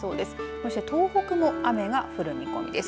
そして東北も雨が降る見込みです。